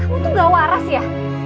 aku tuh gak waras ya